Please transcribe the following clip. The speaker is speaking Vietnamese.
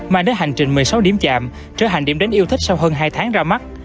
mang đến hành trình một mươi sáu điểm chạm trở thành điểm đến yêu thích sau hơn hai tháng ra mắt